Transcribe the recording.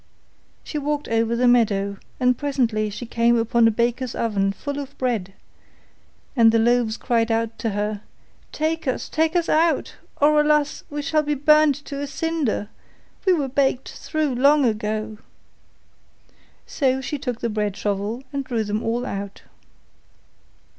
She walked over the meadow, and presently she came upon a baker's oven full of bread, and the loaves cried out to her, 'Take us out, take us out, or alas! we shall be burnt to a cinder; we were baked through long ago.' So she took the bread shovel and drew them all out.